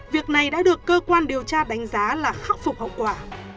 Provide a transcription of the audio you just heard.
việc này đã được cơ quan điều tra đánh giá là khắc phục hậu quả